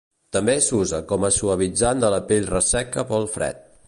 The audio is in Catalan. També s'usa com a suavitzant de la pell resseca pel fred.